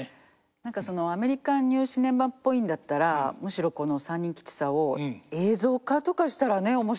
何かアメリカンニューシネマっぽいんだったらむしろこの「三人吉三」を映像化とかしたらね面白そうだし。